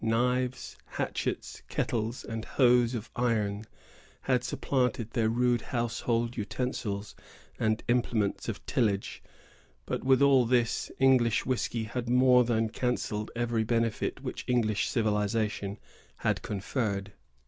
Knives, hatchets, kettles, and hoes of iron, had supplanted their rude household utensils and implements of tillage; but with all this, English whiskey had more than cancelled every benefit which English civilization had conferred.